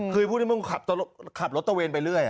คือพวกนี้มันขับรถตะเวนไปเรื่อย